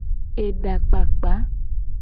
Edakpakpa.